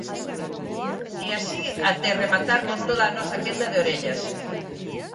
E así até rematar con toda a nosa quenda de orellas.